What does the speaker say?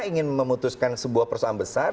ingin memutuskan sebuah persoalan besar